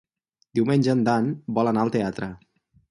Diumenge en Dan vol anar al teatre.